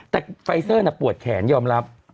แต่ไฟเซอร์ปวดแขนยอมรับ